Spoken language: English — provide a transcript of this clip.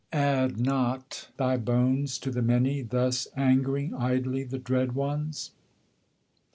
Add not thy bones to the many, thus angering idly the dread ones!